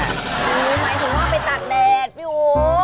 หมายถึงว่าไปตากแดดพี่อู๋